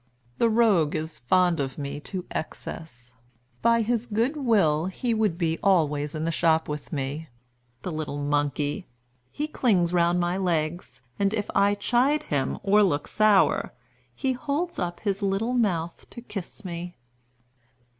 The rogue is fond of me to excess. By his good will he would be always in the shop with me. The little monkey! He clings round my legs; and if I chide him, or look sour, he holds up his little mouth to kiss me."